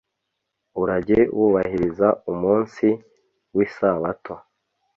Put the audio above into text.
urajye wubahiriza umunsi w’isabato,